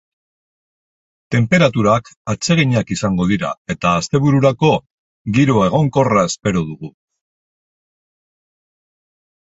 Tenperaturak atseginak izango dira eta astebururako, giro egonkorra espero dugu.